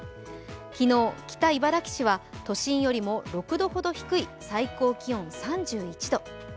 昨日、北茨城市は都心よりも６度ほど低い最高気温３１度。